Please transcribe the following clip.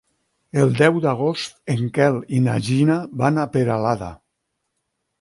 El deu d'agost en Quel i na Gina van a Peralada.